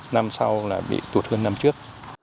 năm sau là bị tụt hơn năm trước